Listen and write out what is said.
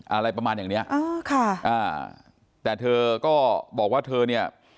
อะไรประมาณอย่างนี้แต่เธอก็บอกว่าเธอเนี่ย